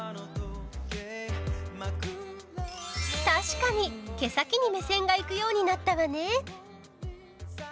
確かに、毛先に目線がいくようになったわね。